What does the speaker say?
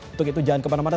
untuk itu jangan kemana mana